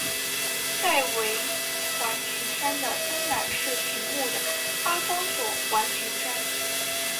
戴维环形山的东南是醒目的阿方索环形山。